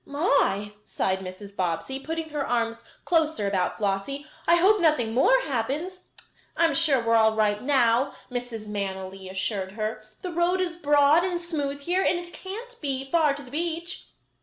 "My!" sighed Mrs. Bobbsey, putting her arms closer about Flossie, "I hope nothing more happens." "I am sure we are all right now," Mrs. Manily assured her. "The road is broad and smooth here, and it can't be far to the beach."